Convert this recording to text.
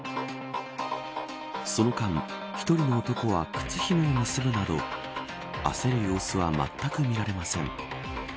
その間１人の男は靴ひもを結ぶなど焦る様子はまったく見られません。